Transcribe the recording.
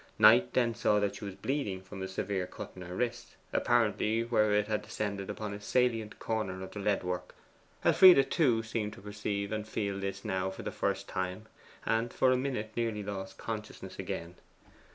Knight then saw that she was bleeding from a severe cut in her wrist, apparently where it had descended upon a salient corner of the lead work. Elfride, too, seemed to perceive and feel this now for the first time, and for a minute nearly lost consciousness again.